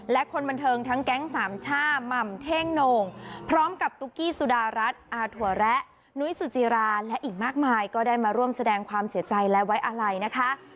และคนบันเทิงทั้งแก๊งสามช่าหม่ำเท่งโหน่งพร้อมกับตุ๊กกี้สุดารัฐอาถั่วแระนุ้ยสุจิราและอีกมากมายก็ได้มาร่วมแสดงความเสียใจและไว้อะไรนะคะ